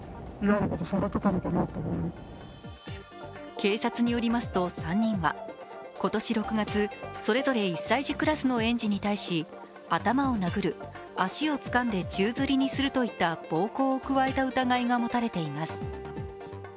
警察によりますと、３人は今年６月、それぞれ１歳児クラスの園児に対し頭を殴る、足をつかんで宙づりにするといった暴行を加えた疑いがもたれています。